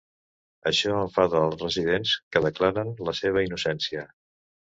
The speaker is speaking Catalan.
Això enfada els residents que declaren la seva innocència.